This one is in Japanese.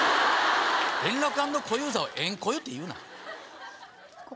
円楽＆小遊三を「円＆小遊」って言うな。